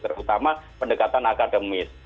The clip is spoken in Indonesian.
terutama pendekatan akademis